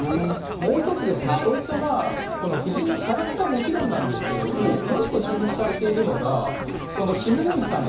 もう１つ、そういった夫人のキャラクターはもちろんなんですけれどももう１個、注目されているのがこのキム・ゴンヒさん